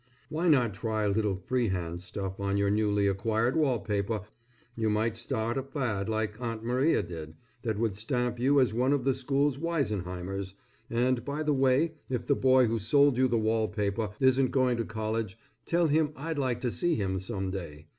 Why not try a little freehand stuff on your newly acquired wall paper! You might start a fad like Aunt Maria did, that would stamp you as one of the school weisenheimers, and by the way if the boy who sold you the wall paper isn't going to college tell him I'd like to see him some day.